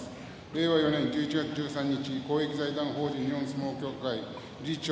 令和４年１１月１３日公益財団法人日本相撲協会理事長